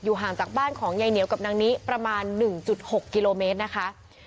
ห่างจากบ้านของยายเหนียวกับนางนี้ประมาณ๑๖กิโลเมตรนะคะ